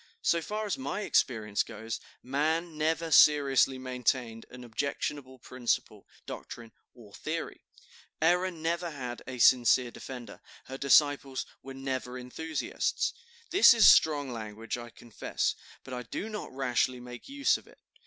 So far as my experience goes, man never seriously maintained an objectionable principle, doctrine, or theory; error never had a sincere defender; her disciples were never enthusiasts. This is strong language, I confess, but I do not rashly make use of it.